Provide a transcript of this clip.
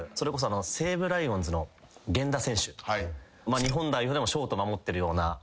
日本代表でもショート守ってるような。